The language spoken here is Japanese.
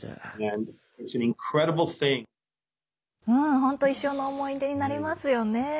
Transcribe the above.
本当、一生の思い出になりますよね。